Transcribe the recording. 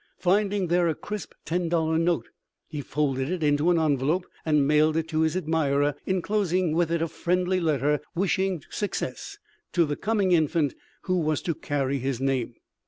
Finding there a crisp ten dollar note, he folded it into an envelope and mailed it to his admirer, inclosing with it a friendly letter wishing success to the coming infant who was to carry his name.